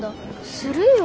するよ。